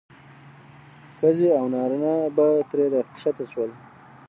ښځې او نارینه به ترې راښکته شول.